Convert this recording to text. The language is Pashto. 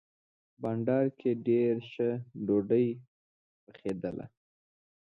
بانډار کې ډېره ښه ډوډۍ پخېدله.